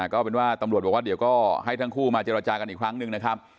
ก็เป็นว่าตำรวจบอกว่าเดี๋ยวก็ให้ทั้งคู่มาเจรจากันอีกครั้งหนึ่งนะครับ